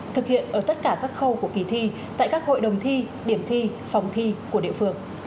thực hiện ở tất cả các khâu của kỳ thi tại các hội đồng thi điểm thi phòng thi của địa phương